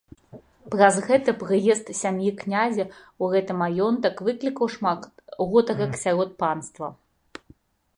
Праз гэта прыезд сям'і князя ў гэты маёнтак выклікаў шмат гутарак сярод панства.